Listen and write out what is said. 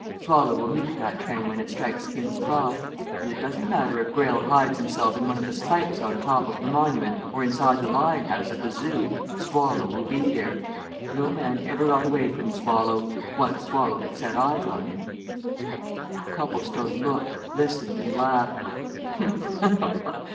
Swallow will meet that train when it strikes King's Cross. And it doesn't matter if Greyle hides himself in one of the spikes on top of the Monument or inside the lion house at the Zoo Swallow will be there! No man ever got away from Swallow once Swallow had set eyes on him." Copplestone looked, listened, and laughed.